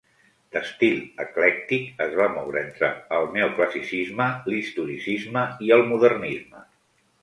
D'estil eclèctic, es va moure entre el neoclassicisme, l'historicisme i el modernisme.